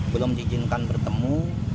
belum diizinkan bertemu